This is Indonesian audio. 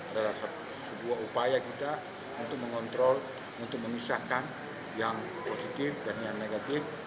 adalah sebuah upaya kita untuk mengontrol untuk memisahkan yang positif dan yang negatif